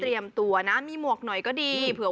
สุดยอดน้ำมันเครื่องจากญี่ปุ่น